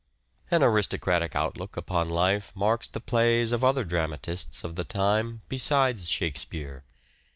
An aristocratic outlook upon life marks the plays of other dramatists of the time besides Shakespeare.